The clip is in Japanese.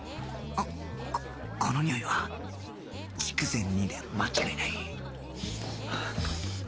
あっここのにおいは筑前煮で間違いない